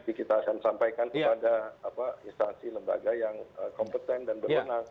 dan ini kita akan sampaikan kepada instansi lembaga yang kompeten dan berkenan